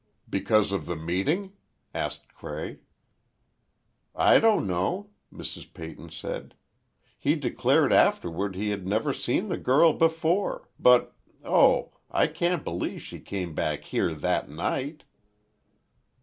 "Because of the meeting?" asked Cray. "I don't know," Mrs. Peyton said. "He declared afterward he had never seen the girl before—but—oh—I can't believe she came back here that night!"